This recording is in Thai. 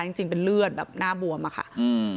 จริงจริงเป็นเลือดแบบหน้าบวมอะค่ะอืม